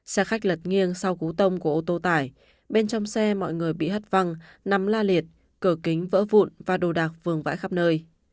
xe khách lật nghiêng sau cú tông của ô tô tải bên trong xe mọi người bị hất văng nắm la liệt cửa kính vỡ vụn và đồ đạc vườn vãi khắp nơi